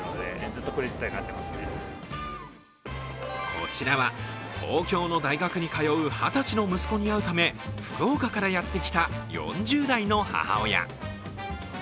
こちらは東京の大学に通う二十歳の息子に会うため福岡からやってきた４０代の母親。